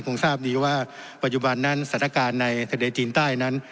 ทราบดีว่าปัจจุบันนั้นสถานการณ์ในทะเลจีนใต้นั้น